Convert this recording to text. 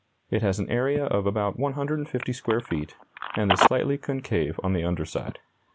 It has an area of about 150 square feet, and is slightly concave on the under side.